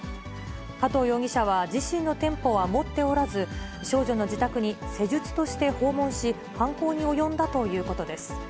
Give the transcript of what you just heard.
加藤容疑者は、自身の店舗は持っておらず、少女の自宅に施術として訪問し、犯行に及んだということです。